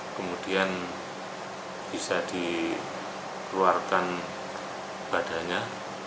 kemudian bisa dikeluarkan badannya